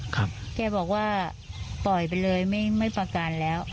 ครับแกบอกว่าปล่อยไปเลยไม่ประการแล้ว